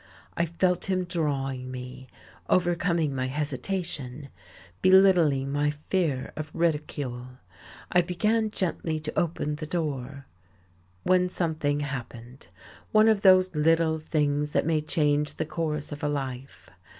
I felt him drawing me, overcoming my hesitation, belittling my fear of ridicule. I began gently to open the door when something happened, one of those little things that may change the course of a life.